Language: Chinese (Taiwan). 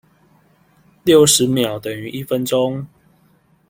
六十秒等於一分鐘